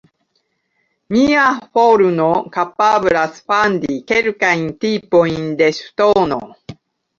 Mia forno kapablas fandi kelkajn tipojn de ŝtono.